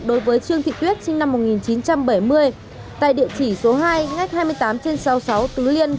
đối với trương thị tuyết sinh năm một nghìn chín trăm bảy mươi tại địa chỉ số hai ngách hai mươi tám trên sáu mươi sáu tứ liên